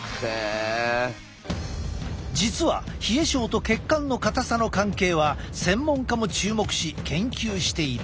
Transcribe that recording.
実は冷え症と血管の硬さの関係は専門家も注目し研究している。